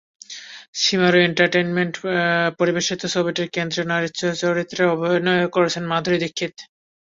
শিমারু entertainment পরিবেশিত ছবিটির কেন্দ্রীয় নারী চরিত্রে অভিনয় করেছেন মাধুরী দীক্ষিত।